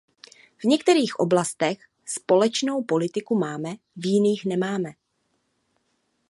V některých oblastech společnou politiku máme, v jiných nemáme.